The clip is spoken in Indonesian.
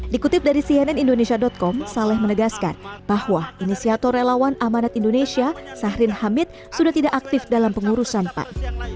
dikutip dari cnn indonesia com saleh menegaskan bahwa inisiator relawan amanat indonesia sahrin hamid sudah tidak aktif dalam pengurusan pan